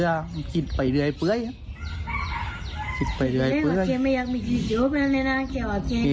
ตอนนี้ก็เพิ่งที่จะสูญเสียคุณย่าไปไม่นาน